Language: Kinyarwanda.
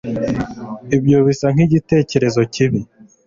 ibyo bisa nkigitekerezo kibi